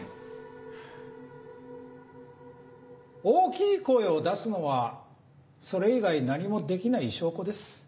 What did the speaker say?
大きい声を出すのはそれ以外何もできない証拠です。